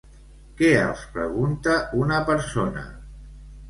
Què els pregunta una persona?